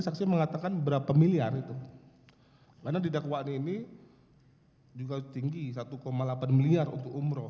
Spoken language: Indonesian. saksi mengatakan berapa miliar itu karena di dakwaan ini juga tinggi satu delapan miliar untuk umroh